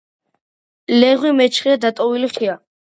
ლეღვი მეჩხერად დატოტვილი ხეა.